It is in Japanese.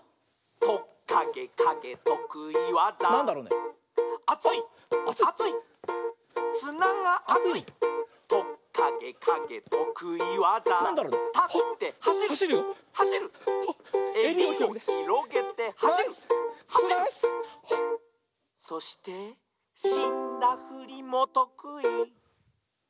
「トッカゲカゲとくいわざ」「アツいっアツいっすながあつい」「トッカゲカゲとくいわざ」「たってはしるはしる」「えりをひろげてはしるはしる」「そしてしんだふりもとくい」